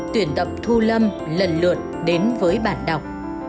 tuyển tập thu lâm lần lượt đến với bản đọc